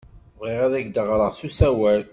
Bɣiɣ ad ɣreɣ s usawal.